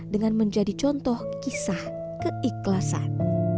dengan menjadi contoh kisah keikhlasan